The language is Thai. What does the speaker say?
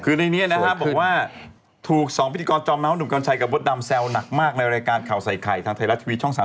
คือในนี้นะครับบอกว่าถูก๒พิธีกรจอมเมาสหนุ่มกัญชัยกับมดดำแซวหนักมากในรายการข่าวใส่ไข่ทางไทยรัฐทีวีช่อง๓๒